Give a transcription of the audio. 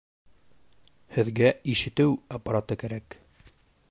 Һеҙгә ишетеү аппараты кәрәк